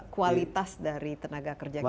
kualitas dari tenaga kerja kita